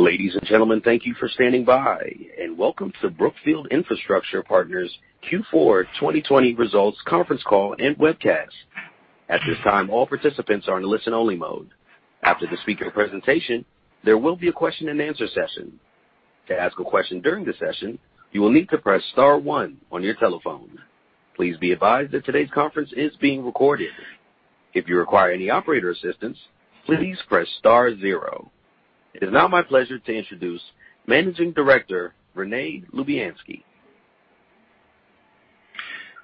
Ladies and gentlemen, thank you for standing by, and welcome to Brookfield Infrastructure Partners Q4 2020 Results Conference Call and Webcast. At this time all participants are in listen-only mode. After the speaker presentation, there will be a question and answer session. To ask a question during session, you need to press star one on your telephone. Please be advised that today's conference is being recorded. If you require any operator assistance, please press star zero. It is now my pleasure to introduce Managing Director Rene Lubianski.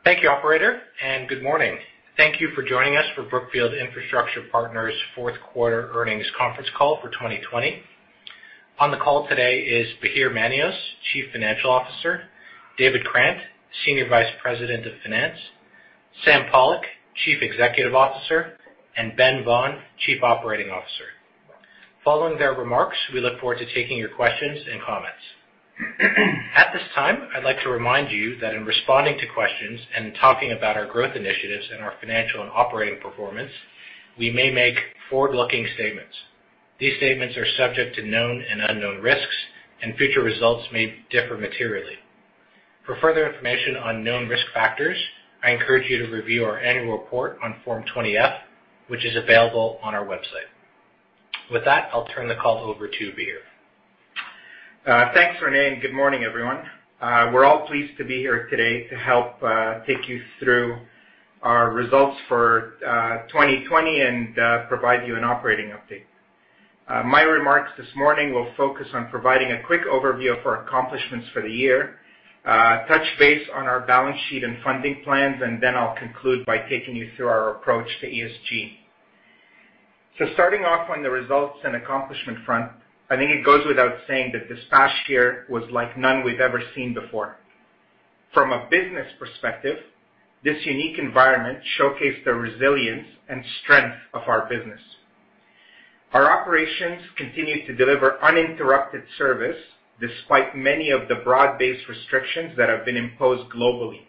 Thank you, operator. Good morning. Thank you for joining us for Brookfield Infrastructure Partners' Fourth Quarter Earnings Conference Call for 2020. On the call today is Bahir Manios, Chief Financial Officer, David Krant, Senior Vice President of Finance, Sam Pollock, Chief Executive Officer, and Ben Vaughan, Chief Operating Officer. Following their remarks, we look forward to taking your questions and comments. At this time, I'd like to remind you that in responding to questions and talking about our growth initiatives and our financial and operating performance, we may make forward-looking statements. These statements are subject to known and unknown risks, and future results may differ materially. For further information on known risk factors, I encourage you to review our annual report on Form 20-F, which is available on our website. With that, I'll turn the call over to Bahir. Thanks, Rene. Good morning, everyone. We're all pleased to be here today to help take you through our results for 2020 and provide you an operating update. My remarks this morning will focus on providing a quick overview of our accomplishments for the year, touch base on our balance sheet and funding plans, and then I'll conclude by taking you through our approach to ESG. Starting off on the results and accomplishment front, I think it goes without saying that this past year was like none we've ever seen before. From a business perspective, this unique environment showcased the resilience and strength of our business. Our operations continued to deliver uninterrupted service despite many of the broad-based restrictions that have been imposed globally.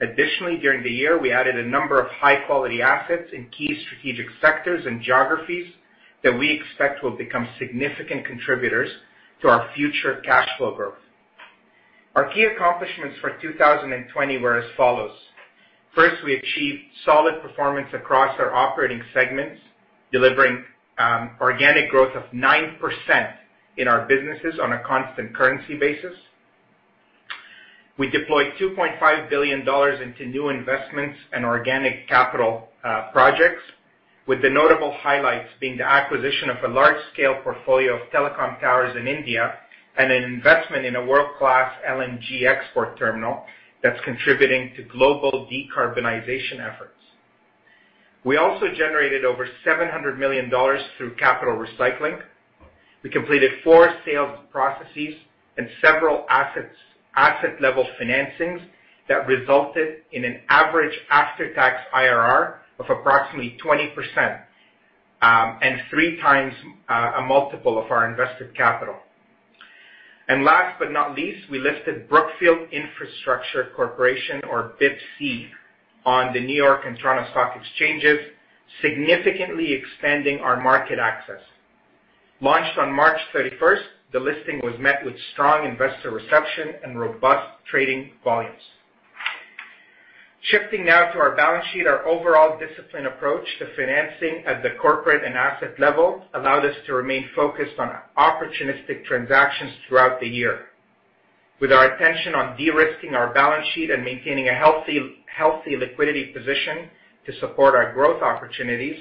Additionally, during the year, we added a number of high-quality assets in key strategic sectors and geographies that we expect will become significant contributors to our future cash flow growth. Our key accomplishments for 2020 were as follows. First, we achieved solid performance across our operating segments, delivering organic growth of 9% in our businesses on a constant currency basis. We deployed $2.5 billion into new investments and organic capital projects, with the notable highlights being the acquisition of a large-scale portfolio of telecom towers in India and an investment in a world-class LNG export terminal that's contributing to global decarbonization efforts. We also generated over $700 million through capital recycling. We completed four sales processes and several asset-level financings that resulted in an average after-tax IRR of approximately 20% and 3x a multiple of our invested capital. Last but not least, we listed Brookfield Infrastructure Corporation, or BIPC, on the New York and Toronto Stock Exchanges, significantly expanding our market access. Launched on March 31st, the listing was met with strong investor reception and robust trading volumes. Shifting now to our balance sheet. Our overall disciplined approach to financing at the corporate and asset level allowed us to remain focused on opportunistic transactions throughout the year. Our attention on de-risking our balance sheet and maintaining a healthy liquidity position to support our growth opportunities,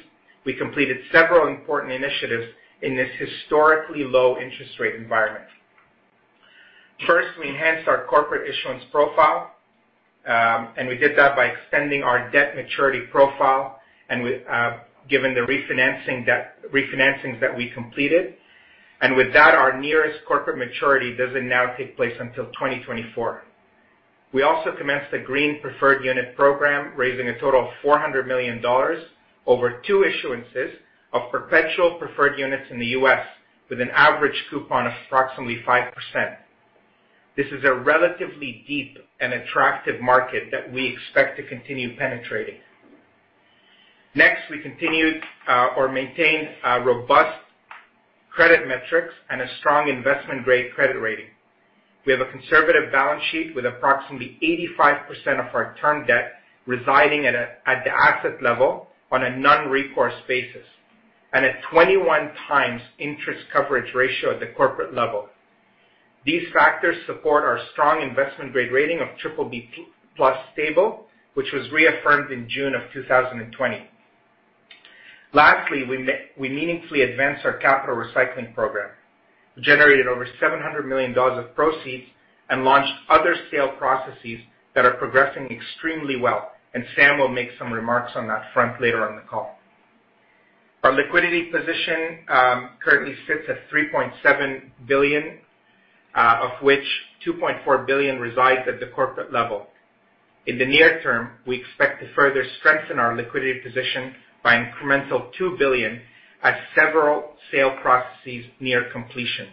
we completed several important initiatives in this historically low interest rate environment. First, we enhanced our corporate issuance profile, and we did that by extending our debt maturity profile and given the refinancings that we completed. With that, our nearest corporate maturity doesn't now take place until 2024. We also commenced a green preferred unit program, raising a total of $400 million over two issuances of perpetual preferred units in the U.S. with an average coupon of approximately 5%. This is a relatively deep and attractive market that we expect to continue penetrating. We continued or maintained robust credit metrics and a strong investment-grade credit rating. We have a conservative balance sheet with approximately 85% of our term debt residing at the asset level on a non-recourse basis and a 21 times interest coverage ratio at the corporate level. These factors support our strong investment-grade rating of BBB+ Stable, which was reaffirmed in June of 2020. We meaningfully advanced our capital recycling program. We generated over $700 million of proceeds and launched other sale processes that are progressing extremely well. Sam will make some remarks on that front later on the call. Our liquidity position currently sits at $3.7 billion, of which $2.4 billion resides at the corporate level. In the near term, we expect to further strengthen our liquidity position by incremental $2 billion as several sale processes near completion.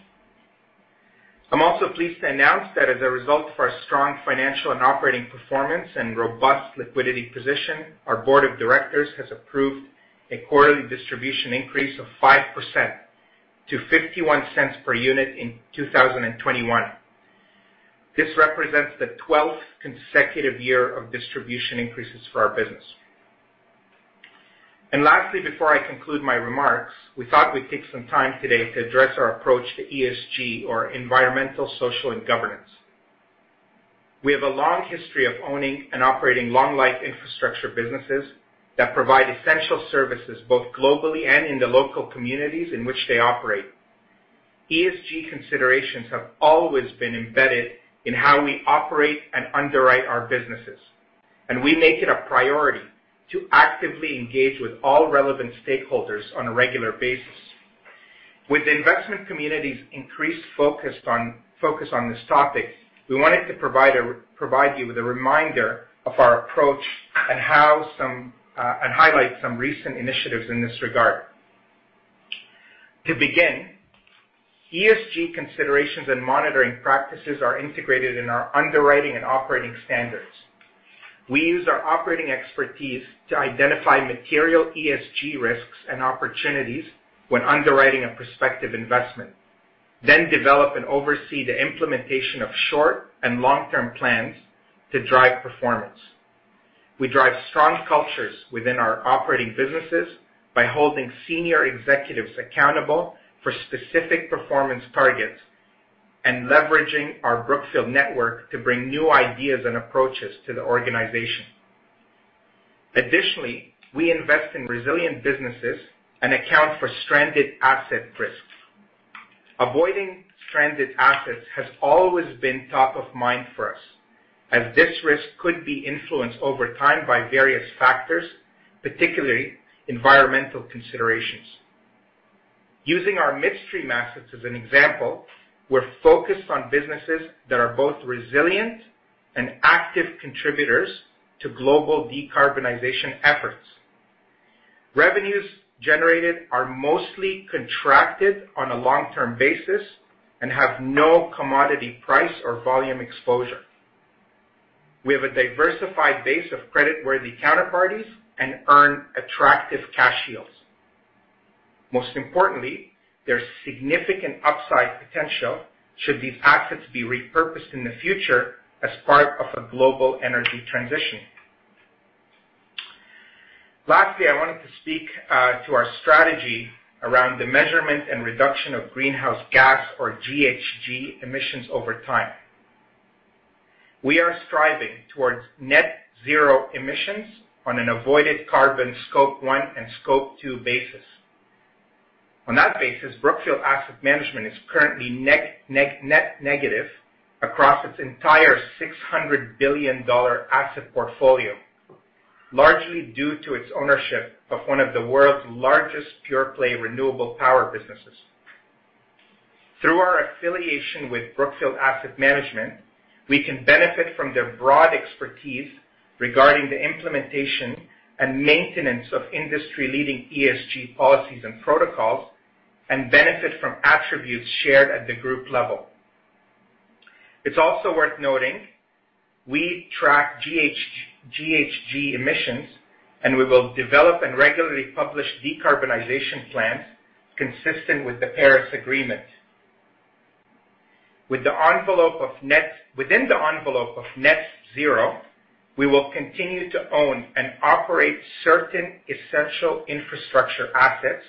I'm also pleased to announce that as a result of our strong financial and operating performance and robust liquidity position, our board of directors has approved a quarterly distribution increase of 5% to $0.51 per unit in 2021. This represents the 12th consecutive year of distribution increases for our business. Lastly, before I conclude my remarks, we thought we'd take some time today to address our approach to ESG or environmental, social, and governance. We have a long history of owning and operating long-life infrastructure businesses that provide essential services both globally and in the local communities in which they operate. ESG considerations have always been embedded in how we operate and underwrite our businesses, and we make it a priority to actively engage with all relevant stakeholders on a regular basis. With the investment community's increased focus on this topic, we wanted to provide you with a reminder of our approach and highlight some recent initiatives in this regard. To begin, ESG considerations and monitoring practices are integrated into our underwriting and operating standards. We use our operating expertise to identify material ESG risks and opportunities when underwriting a prospective investment, then develop and oversee the implementation of short- and long-term plans to drive performance. We drive strong cultures within our operating businesses by holding senior executives accountable for specific performance targets and leveraging our Brookfield network to bring new ideas and approaches to the organization. Additionally, we invest in resilient businesses and account for stranded asset risks. Avoiding stranded assets has always been top of mind for us, as this risk could be influenced over time by various factors, particularly environmental considerations. Using our midstream assets as an example, we're focused on businesses that are both resilient and active contributors to global decarbonization efforts. Revenues generated are mostly contracted on a long-term basis and have no commodity price or volume exposure. We have a diversified base of creditworthy counterparties and earn attractive cash yields. Most importantly, there's significant upside potential should these assets be repurposed in the future as part of a global energy transition. Lastly, I wanted to speak to our strategy around the measurement and reduction of greenhouse gas, or GHG emissions over time. We are striving towards net zero emissions on an avoided carbon Scope 1 and Scope 2 basis. On that basis, Brookfield Asset Management is currently net negative across its entire $600 billion asset portfolio, largely due to its ownership of one of the world's largest pure-play renewable power businesses. Through our affiliation with Brookfield Asset Management, we can benefit from their broad expertise regarding the implementation and maintenance of industry-leading ESG policies and protocols, and benefit from attributes shared at the group level. It's also worth noting we track GHG emissions, and we will develop and regularly publish decarbonization plans consistent with the Paris Agreement. Within the envelope of net zero, we will continue to own and operate certain essential infrastructure assets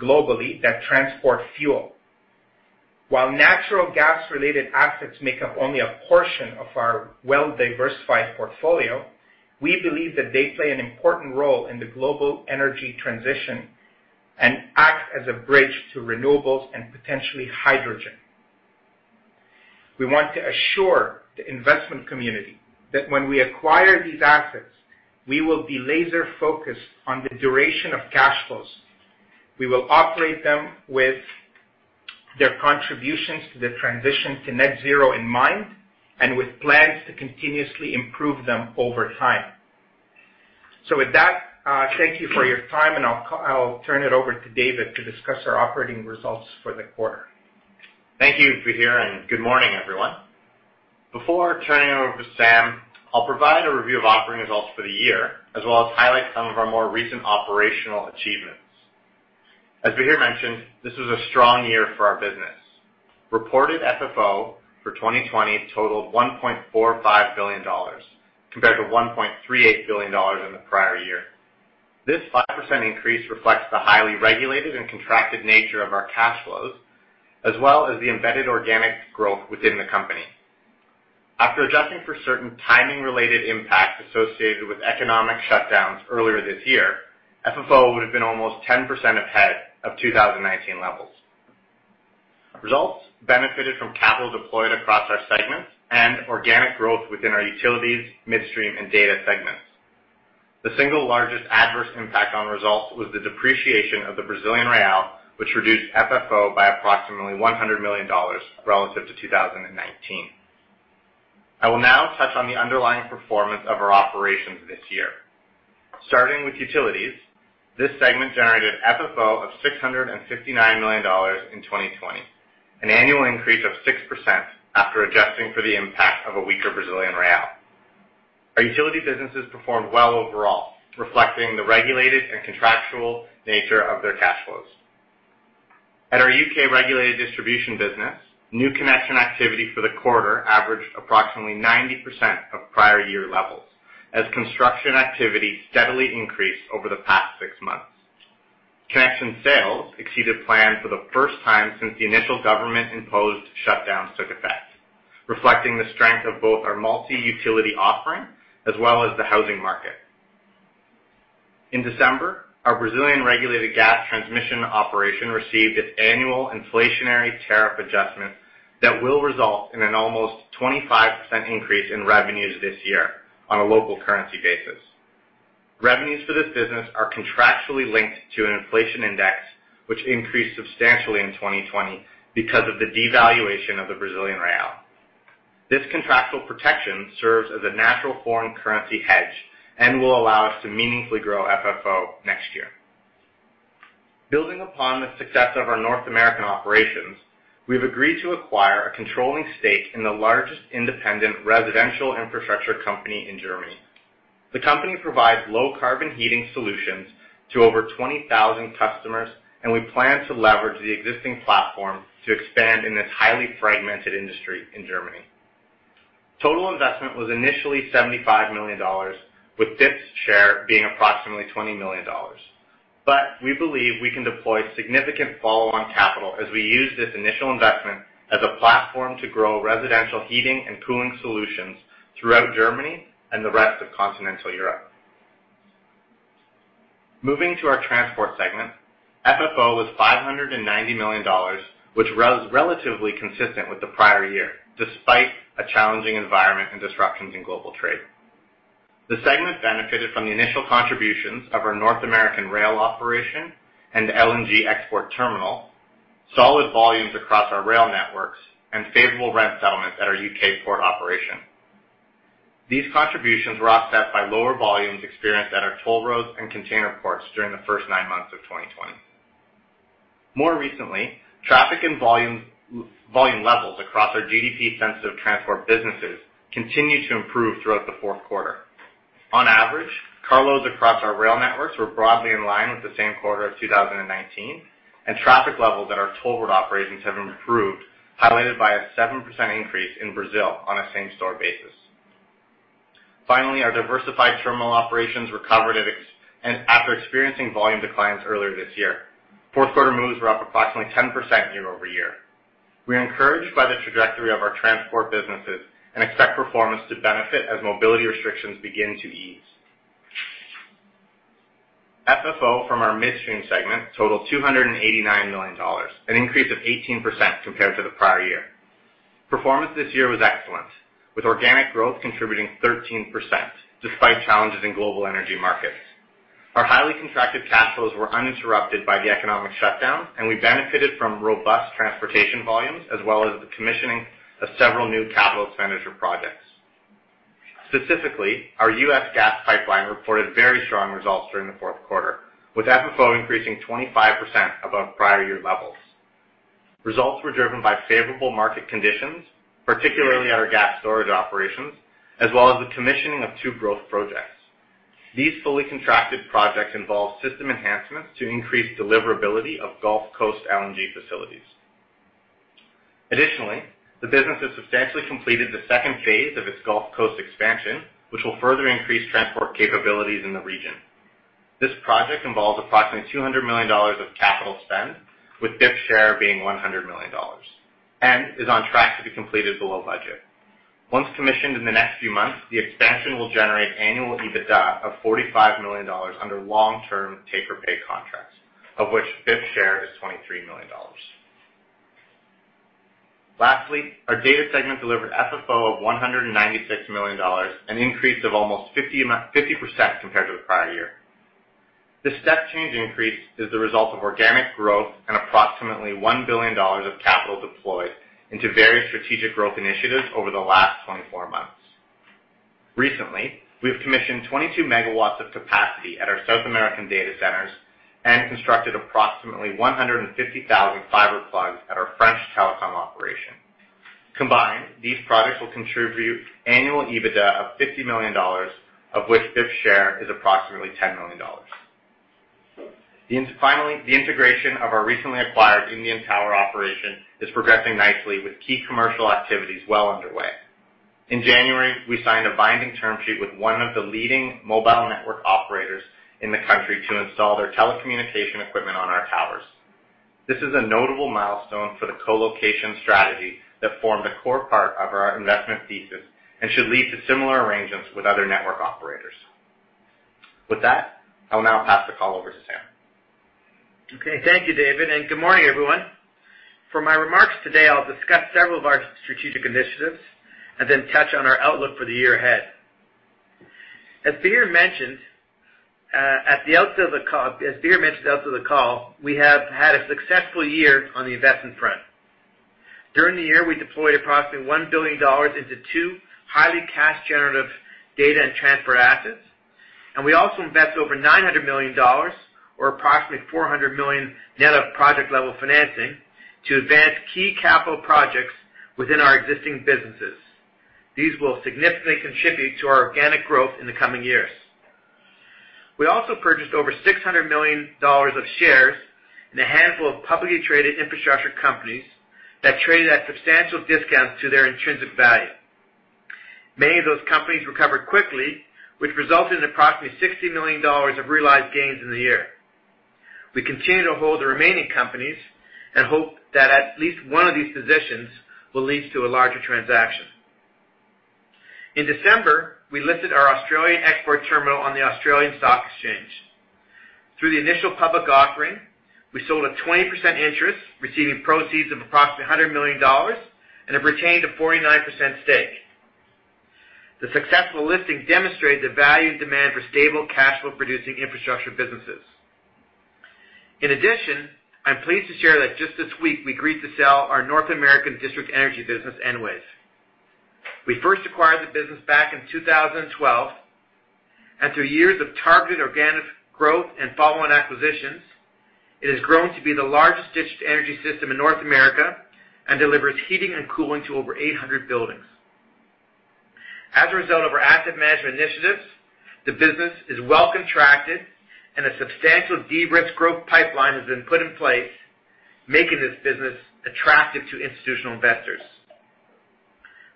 globally that transport fuel. While natural gas-related assets make up only a portion of our well-diversified portfolio, we believe that they play an important role in the global energy transition and act as a bridge to renewables and potentially hydrogen. We want to assure the investment community that when we acquire these assets, we will be laser-focused on the duration of cash flows. We will operate them with their contributions to the transition to net zero in mind and with plans to continuously improve them over time. With that, thank you for your time, and I'll turn it over to David to discuss our operating results for the quarter. Thank you, Bahir, and good morning, everyone. Before turning it over to Sam, I'll provide a review of operating results for the year, as well as highlight some of our more recent operational achievements. As Bahir mentioned, this was a strong year for our business. Reported FFO for 2020 totaled $1.45 billion compared to $1.38 billion in the prior year. This 5% increase reflects the highly regulated and contracted nature of our cash flows, as well as the embedded organic growth within the company. After adjusting for certain timing-related impacts associated with economic shutdowns earlier this year, FFO would have been almost 10% ahead of 2019 levels. Results benefited from capital deployed across our segments and organic growth within our utilities, midstream, and data segments. The single largest adverse impact on results was the depreciation of the Brazilian real, which reduced FFO by approximately $100 million relative to 2019. I will now touch on the underlying performance of our operations this year. Starting with utilities, this segment generated FFO of $659 million in 2020, an annual increase of 6% after adjusting for the impact of a weaker Brazilian real. Our utility businesses performed well overall, reflecting the regulated and contractual nature of their cash flows. At our U.K. regulated distribution business, new connection activity for the quarter averaged approximately 90% of prior year levels, as construction activity steadily increased over the past six months. Connection sales exceeded plan for the first time since the initial government-imposed shutdown took effect, reflecting the strength of both our multi-utility offering as well as the housing market. In December, our Brazilian regulated gas transmission operation received its annual inflationary tariff adjustment that will result in an almost 25% increase in revenues this year on a local currency basis. Revenues for this business are contractually linked to an inflation index, which increased substantially in 2020 because of the devaluation of the Brazilian real. This contractual protection serves as a natural foreign currency hedge and will allow us to meaningfully grow FFO next year. Building upon the success of our North American operations, we've agreed to acquire a controlling stake in the largest independent residential infrastructure company in Germany. The company provides low-carbon heating solutions to over 20,000 customers, and we plan to leverage the existing platform to expand in this highly fragmented industry in Germany. Total investment was initially $75 million, with BIP's share being approximately $20 million. We believe we can deploy significant follow-on capital as we use this initial investment as a platform to grow residential heating and cooling solutions throughout Germany and the rest of continental Europe. Moving to our transport segment, FFO was $590 million, which was relatively consistent with the prior year, despite a challenging environment and disruptions in global trade. The segment benefited from the initial contributions of our North American rail operation and LNG export terminal, solid volumes across our rail networks, and favorable rent settlements at our U.K. port operation. These contributions were offset by lower volumes experienced at our toll roads and container ports during the first nine months of 2020. More recently, traffic and volume levels across our GDP-sensitive transport businesses continued to improve throughout the fourth quarter. On average, car loads across our rail networks were broadly in line with the same quarter of 2019, and traffic levels at our toll road operations have improved, highlighted by a 7% increase in Brazil on a same-store basis. Finally, our diversified terminal operations recovered after experiencing volume declines earlier this year. Fourth quarter moves were up approximately 10% year-over-year. We are encouraged by the trajectory of our transport businesses and expect performance to benefit as mobility restrictions begin to ease. FFO from our midstream segment totaled $289 million, an increase of 18% compared to the prior year. Performance this year was excellent, with organic growth contributing 13%, despite challenges in global energy markets. Our highly contracted cash flows were uninterrupted by the economic shutdown, and we benefited from robust transportation volumes as well as the commissioning of several new capital expenditure projects. Specifically, our U.S. gas pipeline reported very strong results during the fourth quarter, with FFO increasing 25% above prior year levels. Results were driven by favorable market conditions, particularly at our gas storage operations, as well as the commissioning of two growth projects. These fully contracted projects involve system enhancements to increase deliverability of Gulf Coast LNG facilities. Additionally, the business has substantially completed the second phase of its Gulf Coast expansion, which will further increase transport capabilities in the region. This project involves approximately $200 million of capital spend, with BIP's share being $100 million, and is on track to be completed below budget. Once commissioned in the next few months, the expansion will generate annual EBITDA of $45 million under long-term take-or-pay contracts, of which BIP's share is $23 million. Lastly, our data segment delivered FFO of $196 million, an increase of almost 50% compared to the prior year. This step-change increase is the result of organic growth and approximately $1 billion of capital deployed into various strategic growth initiatives over the last 24 months. Recently, we have commissioned 22 MW of capacity at our South American data centers and constructed approximately 150,000 fiber plugs at our French telecom operation. Combined, these projects will contribute annual EBITDA of $50 million, of which BIP's share is approximately $10 million. Finally, the integration of our recently acquired Indian tower operation is progressing nicely, with key commercial activities well underway. In January, we signed a binding term sheet with one of the leading mobile network operators in the country to install their telecommunication equipment on our towers. This is a notable milestone for the co-location strategy that formed a core part of our investment thesis and should lead to similar arrangements with other network operators. With that, I will now pass the call over to Sam. Okay. Thank you, David, good morning, everyone. For my remarks today, I'll discuss several of our strategic initiatives and then touch on our outlook for the year ahead. As Bahir mentioned at the outset of the call, we have had a successful year on the investment front. During the year, we deployed approximately $1 billion into two highly cash-generative data and transfer assets, and we also invested over $900 million or approximately $400 million net of project level financing to advance key capital projects within our existing businesses. These will significantly contribute to our organic growth in the coming years. We also purchased over $600 million of shares in a handful of publicly traded infrastructure companies that traded at substantial discounts to their intrinsic value. Many of those companies recovered quickly, which resulted in approximately $60 million of realized gains in the year. We continue to hold the remaining companies and hope that at least one of these positions will lead to a larger transaction. In December, we listed our Australian export terminal on the Australian Securities Exchange. Through the initial public offering, we sold a 20% interest, receiving proceeds of approximately $100 million and have retained a 49% stake. The successful listing demonstrated the value and demand for stable cash flow producing infrastructure businesses. In addition, I'm pleased to share that just this week we agreed to sell our North American district energy business, Enwave. We first acquired the business back in 2012, and through years of targeted organic growth and follow-on acquisitions, it has grown to be the largest district energy system in North America and delivers heating and cooling to over 800 buildings. As a result of our asset management initiatives, the business is well contracted and a substantial de-risked growth pipeline has been put in place, making this business attractive to institutional investors.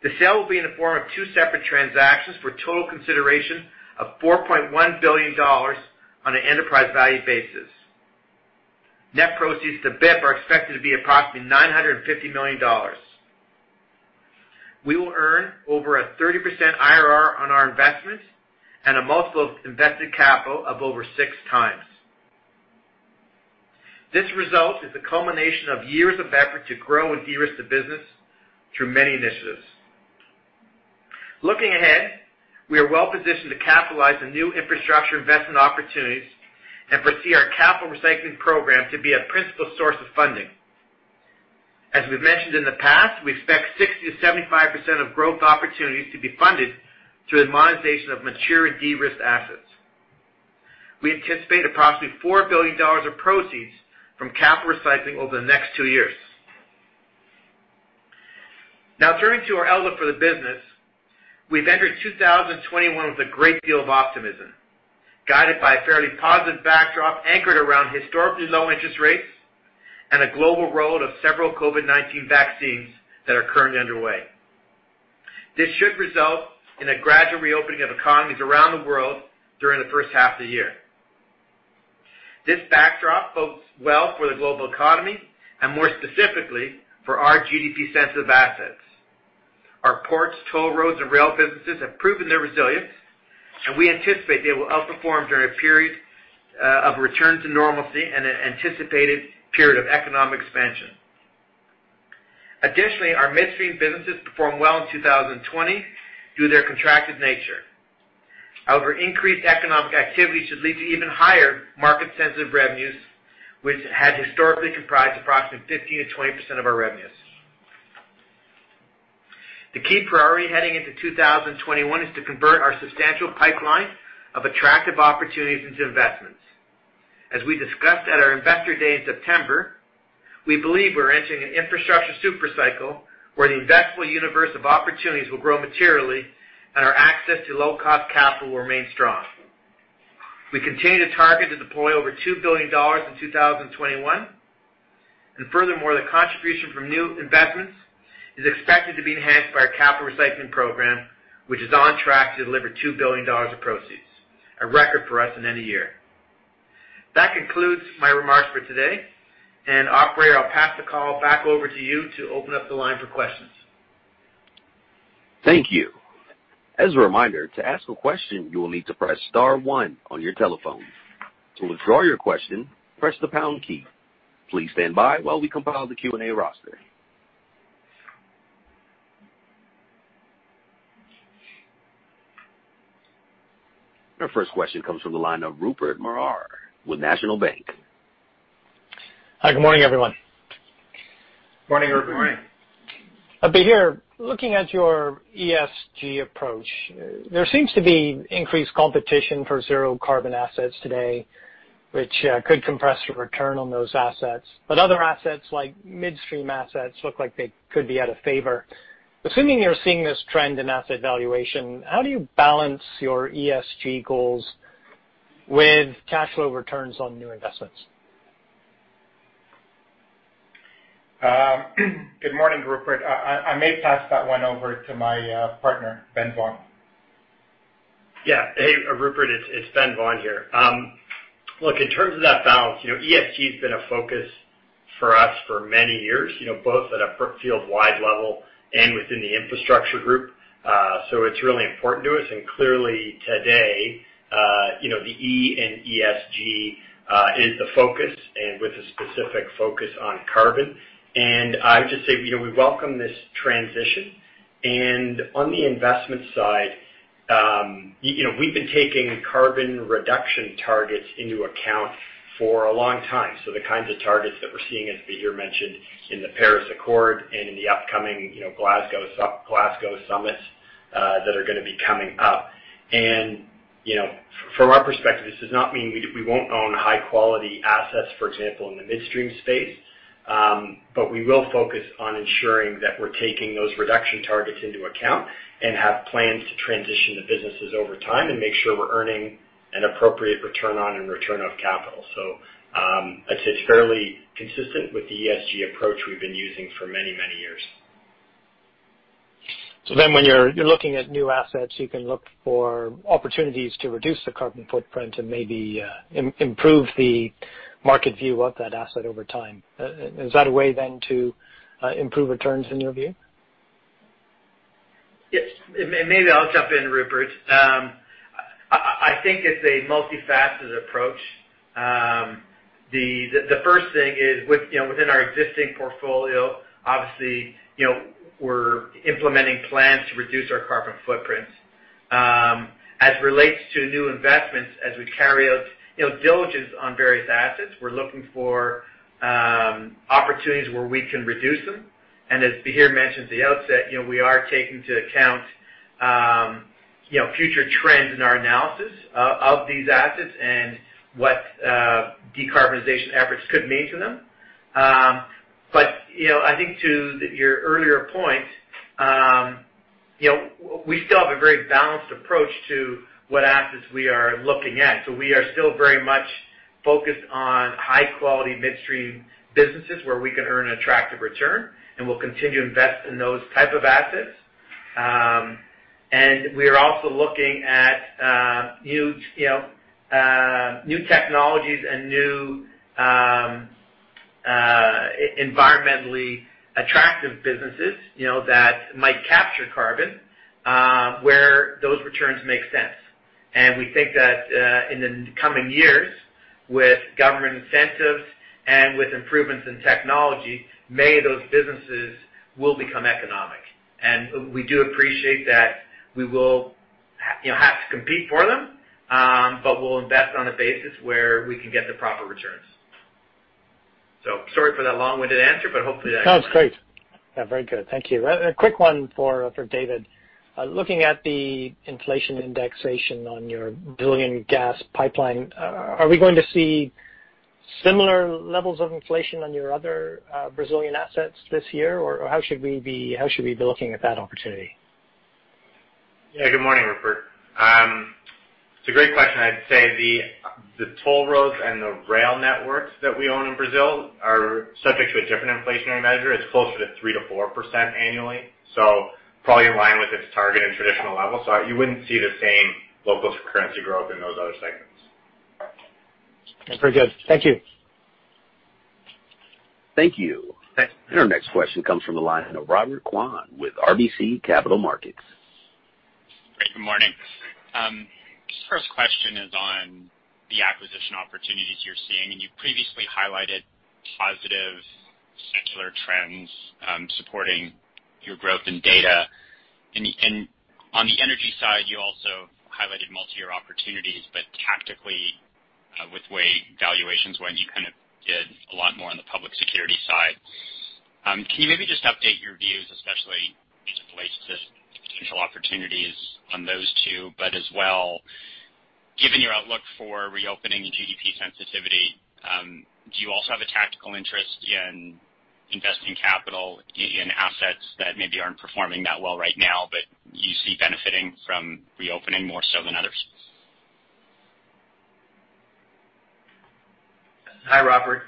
The sale will be in the form of two separate transactions for total consideration of $4.1 billion on an enterprise value basis. Net proceeds to BIP are expected to be approximately $950 million. We will earn over a 30% IRR on our investment and a multiple of invested capital of over 6x. This result is the culmination of years of effort to grow and de-risk the business through many initiatives. Looking ahead, we are well-positioned to capitalize on new infrastructure investment opportunities and foresee our capital recycling program to be a principal source of funding. As we've mentioned in the past, we expect 60%-75% of growth opportunities to be funded through the monetization of mature and de-risked assets. We anticipate approximately $4 billion of proceeds from capital recycling over the next two years. Turning to our outlook for the business. We've entered 2021 with a great deal of optimism, guided by a fairly positive backdrop anchored around historically low interest rates and a global roll-out of several COVID-19 vaccines that are currently underway. This should result in a gradual reopening of economies around the world during the first half of the year. This backdrop bodes well for the global economy, and more specifically, for our GDP sensitive assets. Our ports, toll roads, and rail businesses have proven their resilience, and we anticipate they will outperform during a period of return to normalcy and an anticipated period of economic expansion. Our midstream businesses performed well in 2020 due to their contracted nature. Increased economic activity should lead to even higher market sensitive revenues, which had historically comprised approximately 15%-20% of our revenues. The key priority heading into 2021 is to convert our substantial pipeline of attractive opportunities into investments. As we discussed at our investor day in September, we believe we're entering an infrastructure super cycle where the investable universe of opportunities will grow materially and our access to low-cost capital will remain strong. We continue to target to deploy over $2 billion in 2021. Furthermore, the contribution from new investments is expected to be enhanced by our capital recycling program, which is on track to deliver $2 billion of proceeds, a record for us in any year. That concludes my remarks for today, and operator, I'll pass the call back over to you to open up the line for questions. Thank you. As a reminder to ask a question you will need to press star one on your telephone. To withdraw your question press the pound key. Please stand by while we compile the Q&A roster. Our first question comes from the line of Rupert Merer with National Bank. Hi, good morning, everyone. Morning, Rupert. Good morning. Bahir, looking at your ESG approach, there seems to be increased competition for zero carbon assets today, which could compress your return on those assets. Other assets, like midstream assets, look like they could be out of favor. Assuming you're seeing this trend in asset valuation, how do you balance your ESG goals with cash flow returns on new investments? Good morning, Rupert. I may pass that one over to my partner, Ben Vaughan. Yeah. Hey, Rupert. It's Ben Vaughan here. Look, in terms of that balance, ESG has been a focus for us for many years, both at a Brookfield-wide level and within the infrastructure group. It's really important to us. Clearly today, the E in ESG is a focus and with a specific focus on carbon. I would just say we welcome this transition. On the investment side, we've been taking carbon reduction targets into account for a long time. The kinds of targets that we're seeing, as Bahir mentioned, in the Paris Accord and in the upcoming Glasgow summits that are going to be coming up. From our perspective, this does not mean we won't own high-quality assets, for example, in the midstream space, but we will focus on ensuring that we're taking those reduction targets into account and have plans to transition the businesses over time and make sure we're earning an appropriate return on and return of capital. I'd say it's fairly consistent with the ESG approach we've been using for many, many years. When you're looking at new assets, you can look for opportunities to reduce the carbon footprint and maybe improve the market view of that asset over time. Is that a way then to improve returns in your view? Yes. Maybe I'll jump in, Rupert. I think it's a multifaceted approach. The first thing is within our existing portfolio, obviously, we're implementing plans to reduce our carbon footprint. As relates to new investments, as we carry out diligence on various assets, we're looking for opportunities where we can reduce them. As Bahir mentioned at the outset, we are taking into account future trends in our analysis of these assets and what decarbonization efforts could mean to them. I think to your earlier point, we still have a very balanced approach to what assets we are looking at. We are still very much focused on high-quality midstream businesses where we can earn an attractive return, and we'll continue to invest in those type of assets. We are also looking at new technologies and new environmentally attractive businesses that might capture carbon, where those returns make sense. We think that in the coming years, with government incentives and with improvements in technology, many of those businesses will become economic. We do appreciate that we will have to compete for them, but we'll invest on a basis where we can get the proper returns. Sorry for that long-winded answer, but hopefully that. Sounds great. Yeah, very good. Thank you. A quick one for David. Looking at the inflation indexation on your billion gas pipeline, are we going to see similar levels of inflation on your other Brazilian assets this year? How should we be looking at that opportunity? Good morning, Rupert. It's a great question. I'd say the toll roads and the rail networks that we own in Brazil are subject to a different inflationary measure. It's closer to 3%-4% annually. Probably in line with its target and traditional level. You wouldn't see the same local currency growth in those other segments. Very good. Thank you. Thank you. Thanks. Our next question comes from the line of Robert Kwan with RBC Capital Markets. Great. Good morning. First question is on the acquisition opportunities you're seeing, and you previously highlighted positive secular trends supporting your growth in data. On the energy side, you also highlighted multi-year opportunities, but tactically with way valuations went, you kind of did a lot more on the public security side. Can you maybe just update your views, especially in relation to potential opportunities on those two, but as well, given your outlook for reopening and GDP sensitivity, do you also have a tactical interest in investing capital in assets that maybe aren't performing that well right now, but you see benefiting from reopening more so than others? Hi, Robert.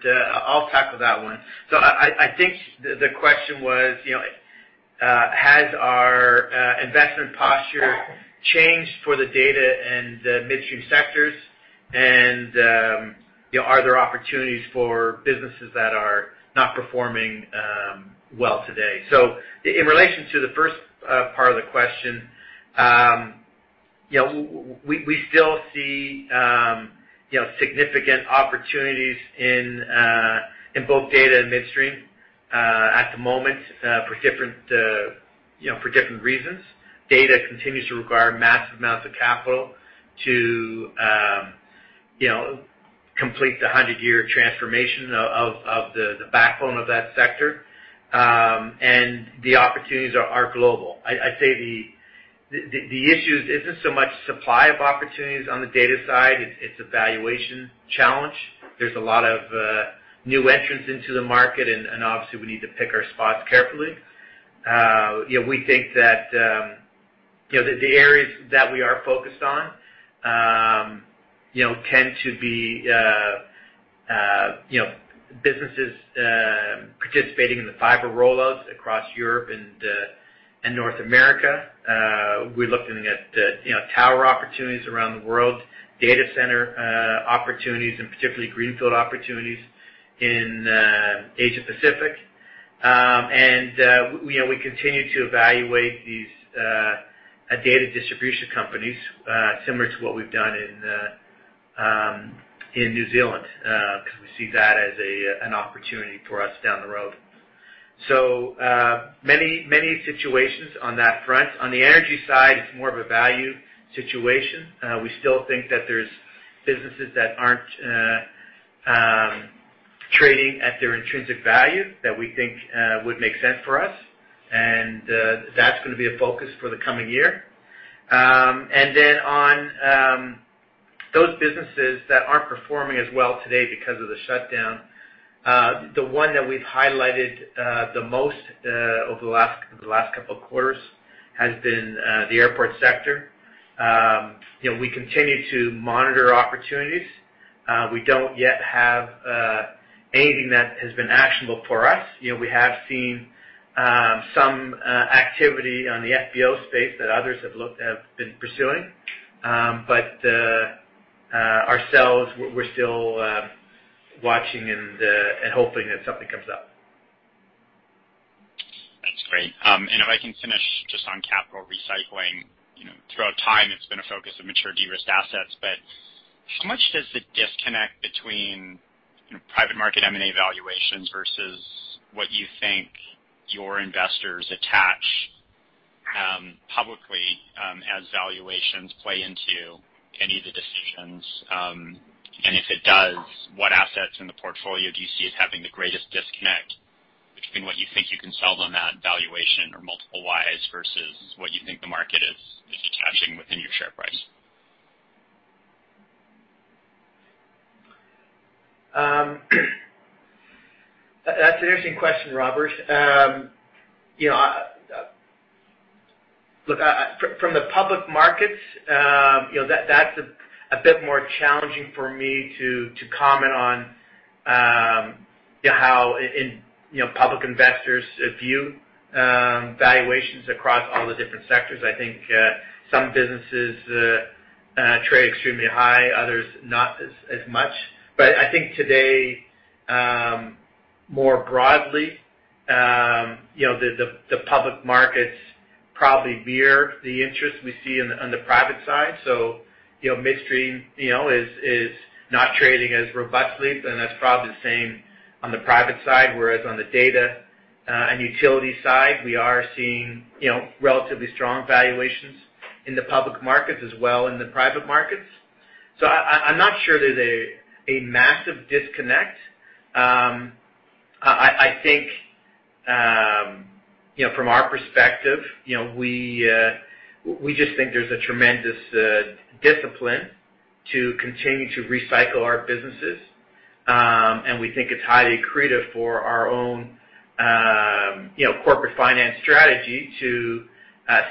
I'll tackle that one. I think the question was, has our investment posture changed for the data and the midstream sectors and are there opportunities for businesses that are not performing well today? In relation to the first part of the question, we still see significant opportunities in both data and midstream at the moment for different reasons. Data continues to require massive amounts of capital to complete the 100-year transformation of the backbone of that sector, and the opportunities are global. I'd say the issue isn't so much supply of opportunities on the data side. It's a valuation challenge. There's a lot of new entrants into the market, and obviously, we need to pick our spots carefully. We think that the areas that we are focused on tend to be businesses participating in the fiber roll-outs across Europe and North America. We're looking at tower opportunities around the world, data center opportunities, and particularly greenfield opportunities in Asia-Pacific. We continue to evaluate these a data distribution company, similar to what we've done in New Zealand. We see that as an opportunity for us down the road. Many situations on that front. On the energy side, it's more of a value situation. We still think that there's businesses that aren't trading at their intrinsic value that we think would make sense for us, and that's going to be a focus for the coming year. On those businesses that aren't performing as well today because of the shutdown, the one that we've highlighted the most over the last couple of quarters has been the airport sector. We continue to monitor opportunities. We don't yet have anything that has been actionable for us. We have seen some activity on the FBO space that others have been pursuing. Ourselves, we're still watching and hoping that something comes up. That's great. If I can finish just on capital recycling. Throughout time, it's been a focus of mature, de-risked assets, how much does the disconnect between private market M&A valuations versus what you think your investors attach publicly as valuations play into any of the decisions? If it does, what assets in the portfolio do you see as having the greatest disconnect between what you think you can sell them at valuation or multiple wise versus what you think the market is attaching within your share price? That's an interesting question, Robert. From the public markets, that's a bit more challenging for me to comment on how public investors view valuations across all the different sectors. I think some businesses trade extremely high, others not as much. I think today, more broadly, the public markets probably mirror the interest we see on the private side. Midstream is not trading as robustly, and that's probably the same on the private side. Whereas on the data and utility side, we are seeing relatively strong valuations in the public markets as well in the private markets. I'm not sure there's a massive disconnect. I think from our perspective, we just think there's a tremendous discipline to continue to recycle our businesses. We think it's highly accretive for our own corporate finance strategy to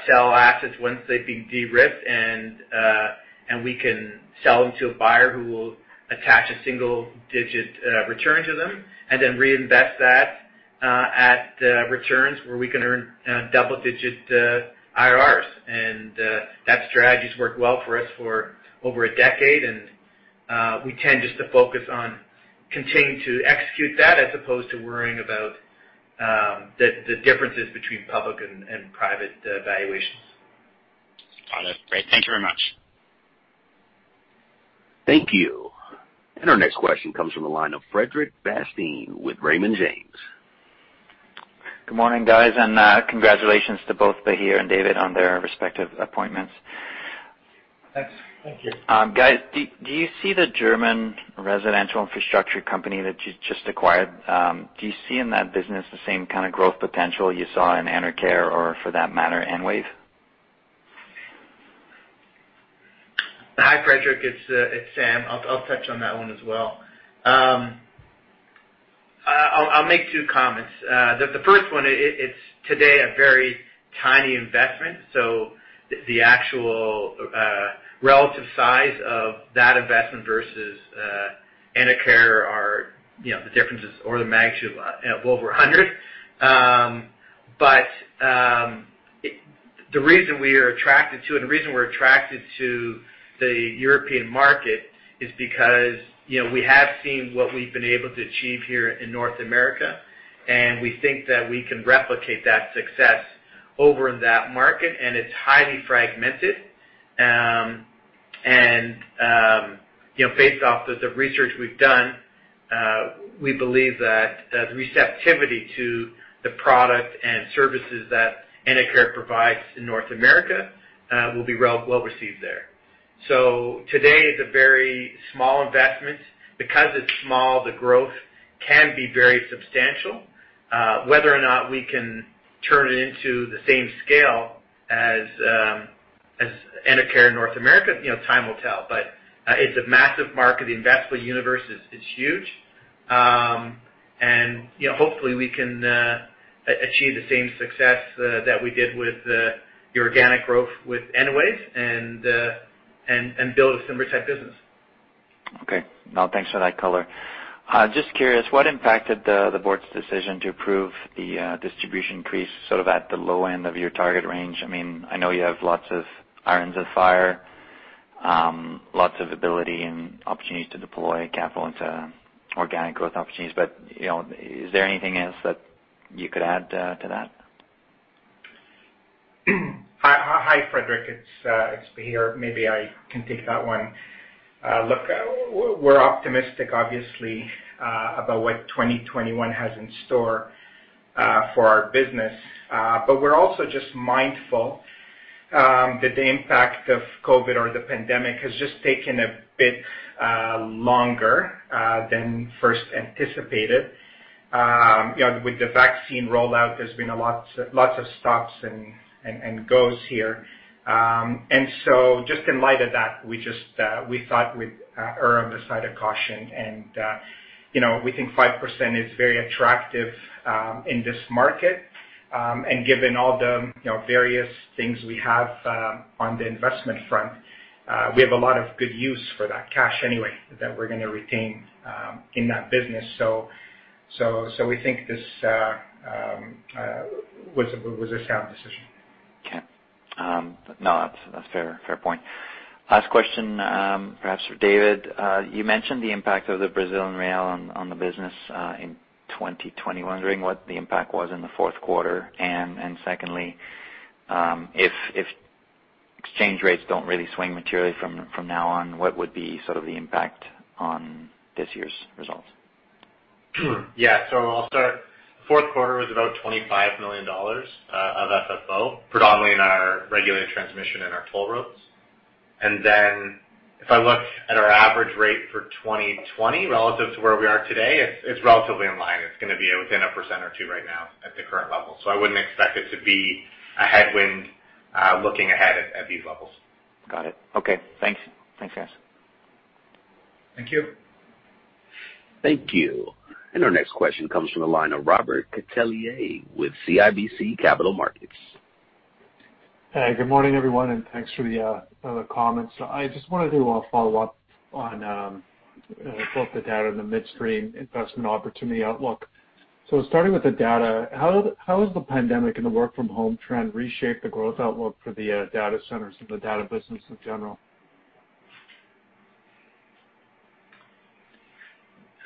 sell assets once they've been de-risked, and we can sell them to a buyer who will attach a single-digit return to them and then reinvest that at returns where we can earn double-digit IRRs. That strategy's worked well for us for over a decade, and we tend just to focus on continuing to execute that as opposed to worrying about the differences between public and private valuations. Got it. Great. Thank you very much. Thank you. Our next question comes from the line of Frederic Bastien with Raymond James. Good morning, guys. Congratulations to both Bahir and David on their respective appointments. Thanks. Thank you. Guys, do you see the German residential infrastructure company that you just acquired, do you see in that business the same kind of growth potential you saw in Enercare or for that matter, Enwave? Hi, Frederic. It's Sam. I'll touch on that one as well. I'll make two comments. The first one, it's today a very tiny investment, so the actual relative size of that investment versus Enercare are the differences or the magnitude of over 100. The reason we are attracted to it and the reason we're attracted to the European market is because we have seen what we've been able to achieve here in North America. We think that we can replicate that success over in that market. It's highly fragmented. Based off the research we've done, we believe that the receptivity to the product and services that Enercare provides in North America will be well-received there. Today, it's a very small investment. Because it's small, the growth can be very substantial. Whether or not we can turn it into the same scale as Enercare in North America, time will tell. It's a massive market. The investable universe is huge. Hopefully, we can achieve the same success that we did with the organic growth with Enwave and build a similar type business. Okay. No, thanks for that color. Just curious, what impacted the board's decision to approve the distribution increase sort of at the low end of your target range? I know you have lots of irons in the fire, lots of ability and opportunities to deploy capital into organic growth opportunities. Is there anything else that you could add to that? Hi, Frederic. It's Bahir. Maybe I can take that one. Look, we're optimistic obviously, about what 2021 has in store for our business. We're also just mindful that the impact of COVID or the pandemic has just taken a bit longer than first anticipated. With the vaccine rollout, there's been lots of stops and goes here. Just in light of that, we thought we'd err on the side of caution and we think 5% is very attractive in this market. Given all the various things we have on the investment front, we have a lot of good use for that cash anyway that we're going to retain in that business. We think this was a sound decision. Okay. No, that's a fair point. Last question, perhaps for David. You mentioned the impact of the Brazilian real on the business in 2020. I'm wondering what the impact was in the fourth quarter, and secondly, if exchange rates don't really swing materially from now on, what would be sort of the impact on this year's results? I'll start. Fourth quarter was about $25 million of FFO, predominantly in our regulated transmission and our toll roads. If I look at our average rate for 2020 relative to where we are today, it's relatively in line. It's going to be within a percent or two right now at the current level. I wouldn't expect it to be a headwind, looking ahead at these levels. Got it. Okay. Thanks. Thank you. Thank you. Our next question comes from the line of Robert Catellier with CIBC Capital Markets. Hey, good morning, everyone, and thanks for the comments. I just wanted to do a follow-up on both the data and the midstream investment opportunity outlook. Starting with the data, how has the pandemic and the work from home trend reshaped the growth outlook for the data centers and the data business in general?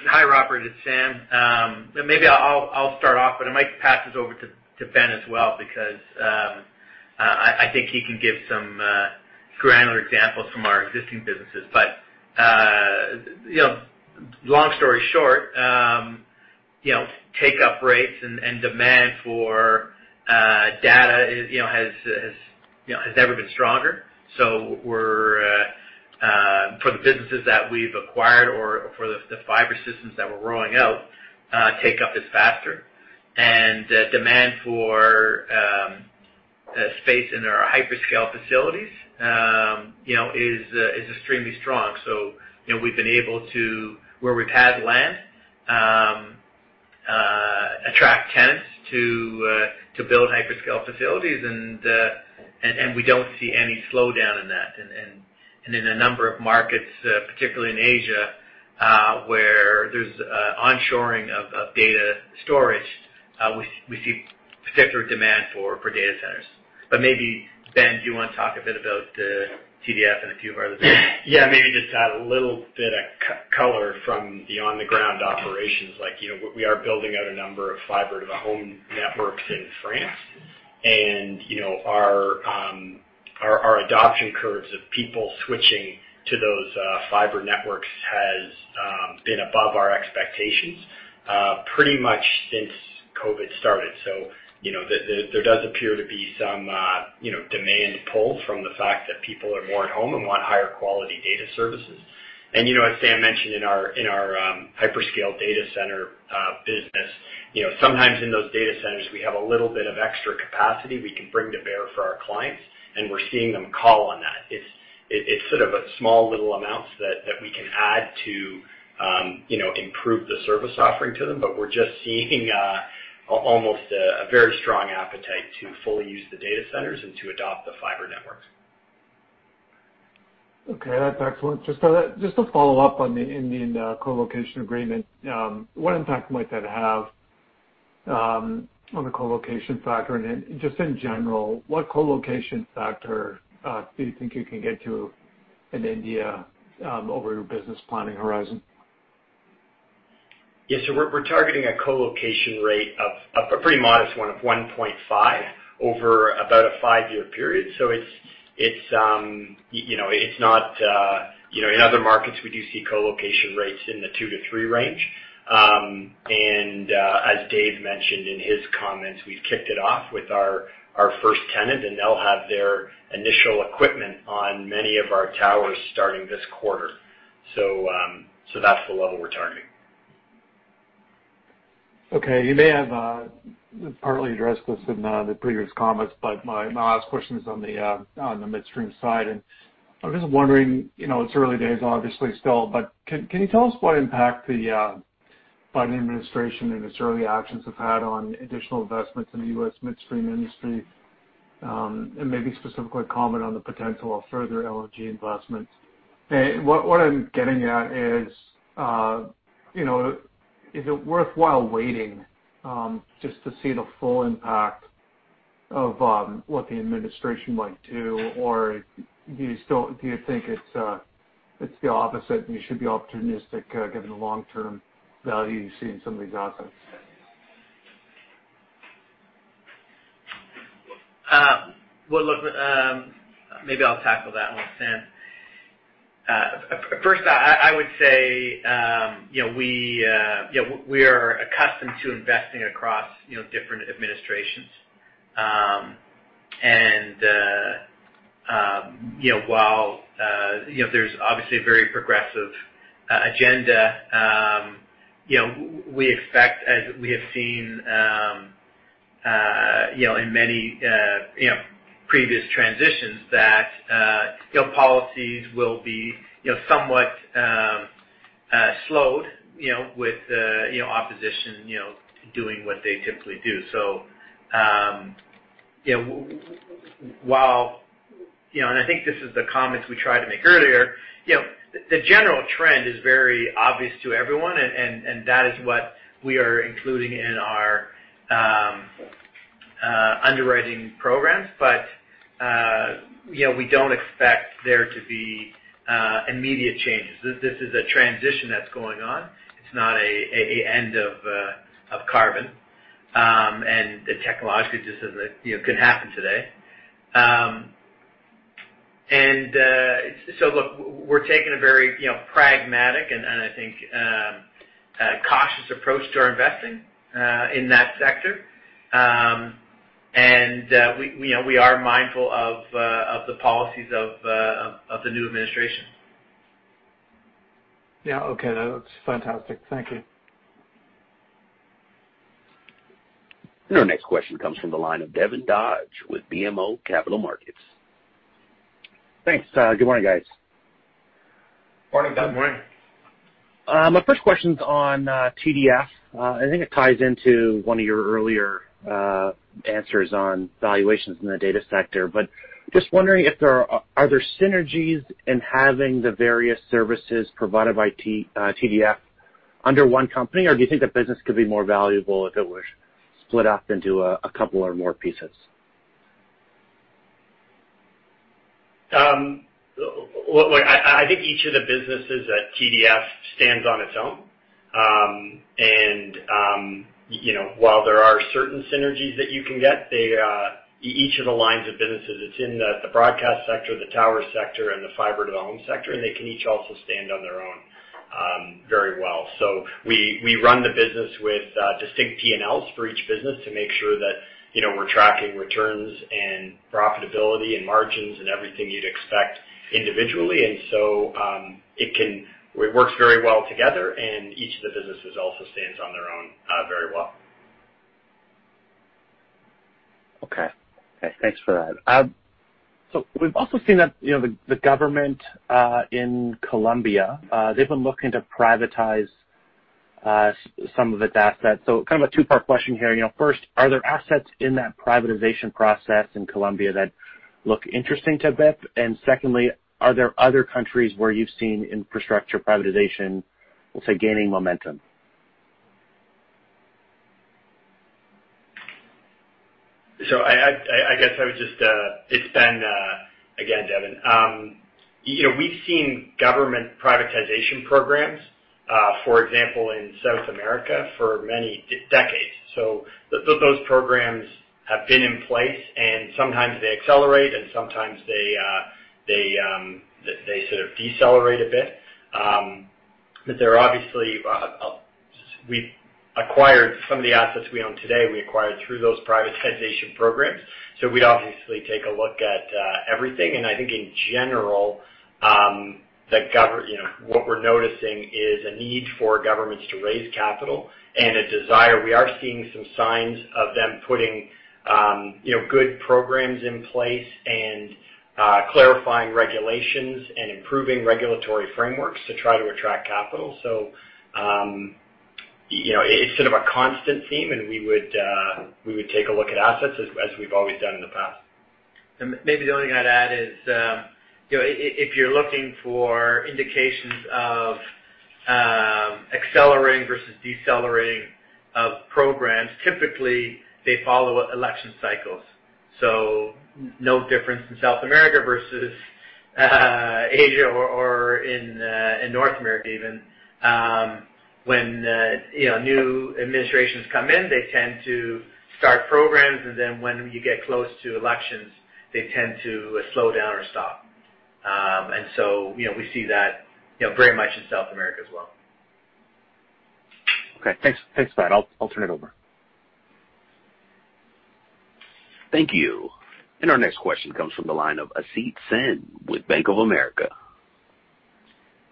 Hi, Robert. It's Sam. Maybe I'll start off, but I might pass this over to Ben as well because, I think he can give some granular examples from our existing businesses. Long story short, take-up rates and demand for data has never been stronger. For the businesses that we've acquired or for the fiber systems that we're rolling out, take-up is faster. Demand for space in our hyperscale facilities is extremely strong. We've been able to, where we've had land, attract tenants to build hyperscale facilities and we don't see any slowdown in that. In a number of markets, particularly in Asia, where there's onshoring of data storage, we see particular demand for data centers. Maybe, Ben, do you want to talk a bit about TDF and a few of our other things? Yeah, maybe just add a little bit of color from the on-the-ground operations. We are building out a number of fiber-to-the-home networks in France, and our adoption curves of people switching to those fiber networks has been above our expectations pretty much since COVID started. There does appear to be some demand pull from the fact that people are more at home and want higher quality data services. As Sam mentioned, in our hyperscale data center business, sometimes in those data centers, we have a little bit of extra capacity we can bring to bear for our clients, and we're seeing them call on that. It's sort of small, little amounts that we can add to improve the service offering to them, but we're just seeing almost a very strong appetite to fully use the data centers and to adopt the fiber networks. Okay, that's excellent. Just to follow up on the Indian co-location agreement, what impact might that have on the co-location factor? Then just in general, what co-location factor do you think you can get to in India over your business planning horizon? We're targeting a co-location rate, a pretty modest one, of 1.5 over about a five-year period. In other markets, we do see co-location rates in the two to three range. As David mentioned in his comments, we've kicked it off with our first tenant, and they'll have their initial equipment on many of our towers starting this quarter. So, that's the level we're targeting. Okay. You may have partly addressed this in the previous comments, but my last question is on the midstream side. I'm just wondering, it's early days obviously still. Can you tell us what impact the Biden administration and its early actions have had on additional investments in the U.S. midstream industry? Maybe specifically comment on the potential of further LNG investments. What I'm getting at is it worthwhile waiting, just to see the full impact of what the administration might do, or do you think it's the opposite, and you should be opportunistic given the long-term value you see in some of these assets? Well, look, maybe I'll tackle that one, Sam. First, I would say, we are accustomed to investing across different administrations. While there's obviously a very progressive agenda, we expect, as we have seen in many previous transitions, that policies will be somewhat slowed with opposition doing what they typically do. I think this is the comments we tried to make earlier. The general trend is very obvious to everyone, and that is what we are including in our underwriting programs. We don't expect there to be immediate changes. This is a transition that's going on. It's not an end of carbon. Technologically, it just couldn't happen today. Look, we're taking a very pragmatic and, I think, cautious approach to our investing in that sector. We are mindful of the policies of the new administration. Yeah. Okay. That's fantastic. Thank you. Our next question comes from the line of Devin Dodge with BMO Capital Markets. Thanks. Good morning, guys. Morning, Devin. Good morning. My first question's on TDF. I think it ties into one of your earlier answers on valuations in the data sector, but just wondering are there synergies in having the various services provided by TDF under one company, or do you think the business could be more valuable if it were split up into a couple or more pieces? I think each of the businesses at TDF stands on its own. While there are certain synergies that you can get, each of the lines of businesses, it's in the broadcast sector, the tower sector, and the fiber-to-the-home sector, and they can each also stand on their own very well. We run the business with distinct P&Ls for each business to make sure that we're tracking returns and profitability and margins and everything you'd expect individually. It works very well together, and each of the businesses also stands on their own very well. Okay. Thanks for that. We've also seen that the government in Colombia, they've been looking to privatize some of its assets. Kind of a two-part question here. First, are there assets in that privatization process in Colombia that look interesting to BIP? Secondly, are there other countries where you've seen infrastructure privatization, let's say, gaining momentum? I guess I would just extend, again, Devin. We've seen government privatization programs, for example, in South America for many decades. Those programs have been in place, and sometimes they accelerate and sometimes they sort of decelerate a bit. We acquired some of the assets we own today, we acquired through those privatization programs. We obviously take a look at everything. I think in general, what we're noticing is a need for governments to raise capital and a desire. We are seeing some signs of them putting good programs in place and clarifying regulations and improving regulatory frameworks to try to attract capital. It's sort of a constant theme, and we would take a look at assets as we've always done in the past. Maybe the only thing I'd add is, if you're looking for indications of accelerating versus decelerating of programs, typically they follow election cycles. No difference in South America versus Asia or in North America even. When new administrations come in, they tend to start programs, and then when you get close to elections, they tend to slow down or stop. We see that very much in South America as well. Okay. Thanks for that. I'll turn it over. Thank you. Our next question comes from the line of Asit Sen with Bank of America.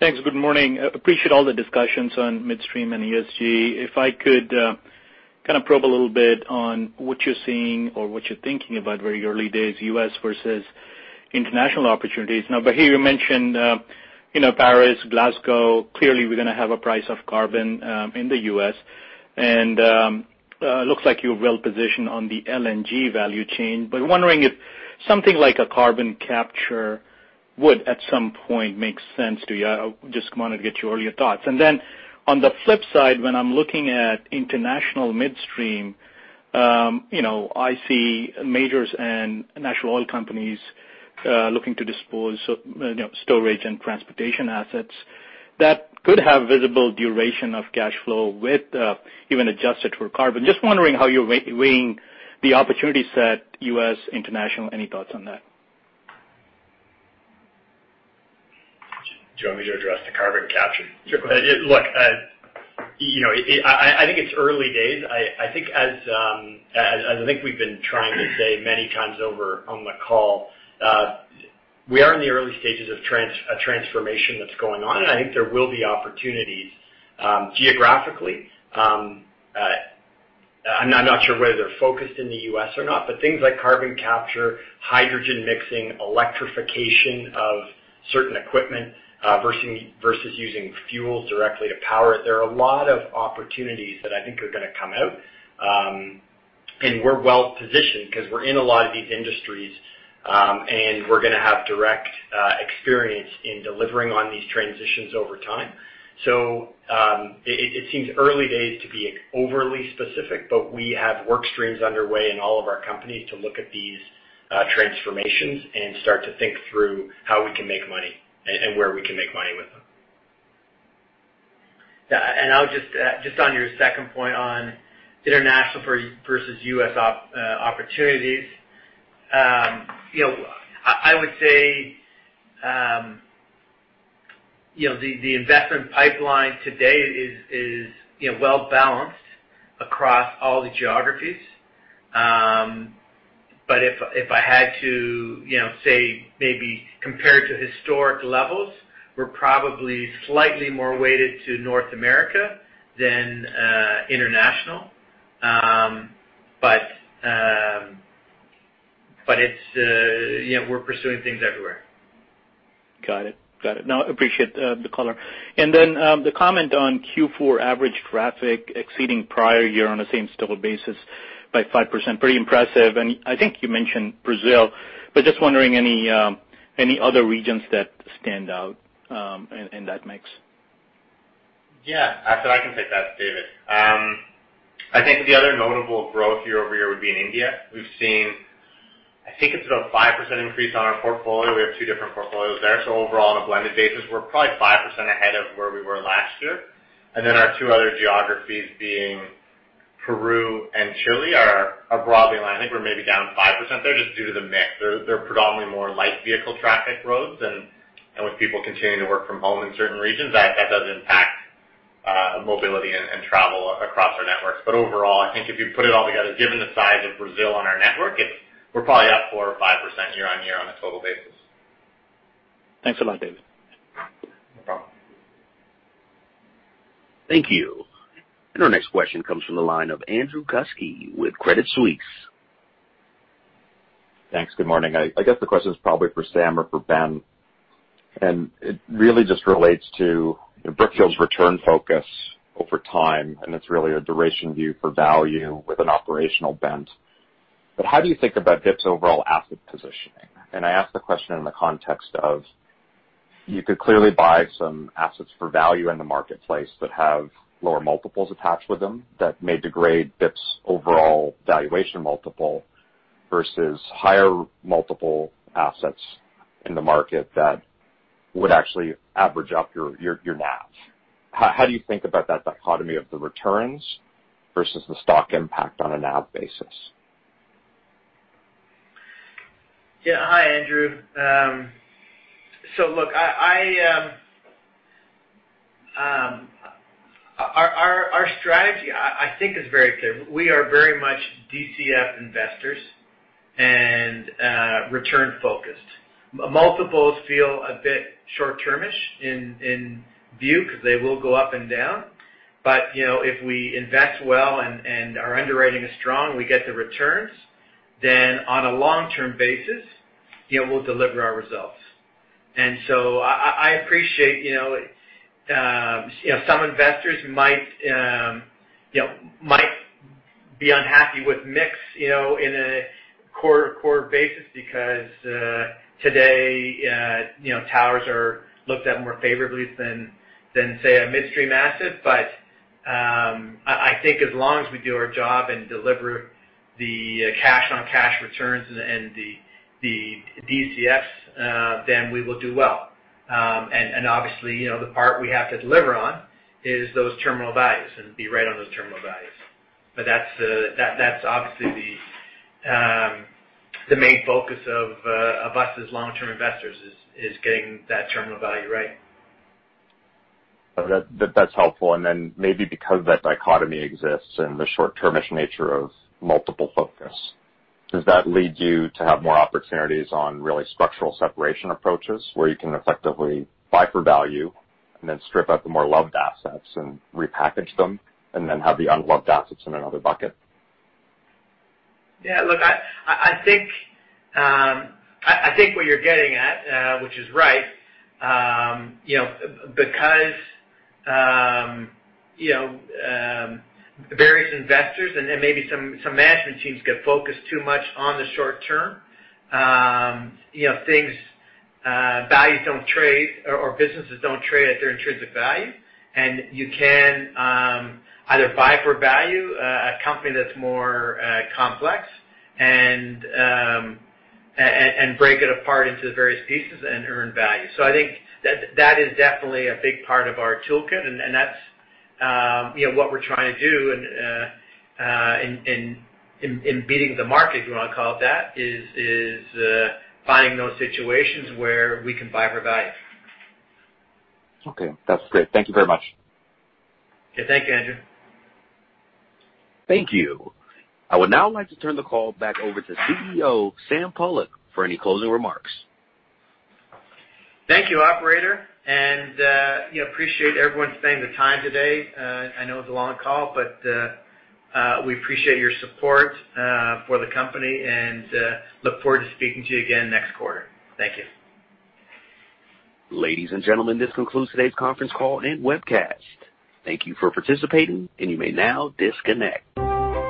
Thanks. Good morning. Appreciate all the discussions on midstream and ESG. If I could kind of probe a little bit on what you're seeing or what you're thinking about very early days, U.S. versus international opportunities. Bahir, you mentioned Paris, Glasgow. We're going to have a price of carbon in the U.S., and looks like you're well positioned on the LNG value chain. Something like a carbon capture would, at some point, make sense to you. I just wanted to get your thoughts. On the flip side, when I'm looking at international midstream, I see majors and national oil companies looking to dispose storage and transportation assets that could have visible duration of cash flow with even adjusted for carbon. Just wondering how you're weighing the opportunity set U.S. international. Any thoughts on that? Do you want me to address the carbon capture? Sure. Look, I think it's early days. As I think we've been trying to say many times over on the call, we are in the early stages of a transformation that's going on, and I think there will be opportunities geographically. I'm not sure whether they're focused in the U.S. or not, but things like carbon capture, hydrogen mixing, electrification of certain equipment versus using fuels directly to power it. There are a lot of opportunities that I think are going to come out. We're well-positioned because we're in a lot of these industries, and we're going to have direct experience in delivering on these transitions over time. It seems early days to be overly specific, but we have work streams underway in all of our companies to look at these transformations and start to think through how we can make money and where we can make money with them. Yeah. Just on your second point on international versus U.S. opportunities. I would say the investment pipeline today is well-balanced across all the geographies. If I had to say maybe compared to historic levels, we're probably slightly more weighted to North America than international. We're pursuing things everywhere. Got it. No, appreciate the color. The comment on Q4 average traffic exceeding prior year on the same stable basis by 5%. Pretty impressive. I think you mentioned Brazil, but just wondering any other regions that stand out in that mix. I can take that. It's David. I think the other notable growth year-over-year would be in India. We've seen, I think it's about a 5% increase on our portfolio. We have two different portfolios there. Overall, on a blended basis, we're probably 5% ahead of where we were last year. Our two other geographies being Peru and Chile are broadly in line. I think we're maybe down 5% there just due to the mix. They're predominantly more light vehicle traffic roads, and with people continuing to work from home in certain regions, that does impact mobility and travel across our networks. Overall, I think if you put it all together, given the size of Brazil on our network, we're probably up 4% or 5% year-on-year on a total basis. Thanks a lot, David. No problem. Thank you. Our next question comes from the line of Andrew Kuske with Credit Suisse. Thanks. Good morning. I guess the question is probably for Sam or for Ben, and it really just relates to Brookfield's return focus over time, and it's really a duration view for value with an operational bent. How do you think about BIP's overall asset positioning? I ask the question in the context of, you could clearly buy some assets for value in the marketplace that have lower multiples attached with them that may degrade BIP's overall valuation multiple versus higher multiple assets in the market that would actually average up your NAV. How do you think about that dichotomy of the returns versus the stock impact on a NAV basis? Hi, Andrew. Look, our strategy, I think, is very clear. We are very much DCF investors and return-focused. Multiples feel a bit short-termish in view because they will go up and down. If we invest well and our underwriting is strong, we get the returns. On a long-term basis, we'll deliver our results. I appreciate some investors might be unhappy with mix in a core basis because today towers are looked at more favorably than, say, a midstream asset. I think as long as we do our job and deliver the cash on cash returns and the DCFs, we will do well. Obviously, the part we have to deliver on is those terminal values and be right on those terminal values. That's obviously the main focus of us as long-term investors, is getting that terminal value right. That's helpful. Maybe because that dichotomy exists and the short-termish nature of multiple focus, does that lead you to have more opportunities on really structural separation approaches where you can effectively buy for value and then strip out the more loved assets and repackage them and then have the unloved assets in another bucket? Yeah, look, I think what you're getting at, which is right. Various investors and maybe some management teams get focused too much on the short term. Businesses don't trade at their intrinsic value. You can either buy for value a company that's more complex and break it apart into various pieces and earn value. I think that is definitely a big part of our toolkit, and that's what we're trying to do in beating the market, if you want to call it that, is finding those situations where we can buy for value. Okay, that's great. Thank you very much. Okay. Thank you, Andrew. Thank you. I would now like to turn the call back over to CEO, Sam Pollock, for any closing remarks. Thank you, operator. I appreciate everyone spending the time today. I know it was a long call, but we appreciate your support for the company and look forward to speaking to you again next quarter. Thank you. Ladies and gentlemen, this concludes today's conference call and webcast. Thank you for participating, and you may now disconnect.